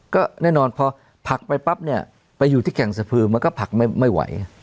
ก็แน่นอนพอผักไปปั๊บเนี่ยไปอยู่ที่แก่งสะพือมันก็ผักไม่ไหว